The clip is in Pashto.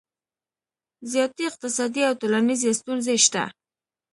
زیاتې اقتصادي او ټولنیزې ستونزې شته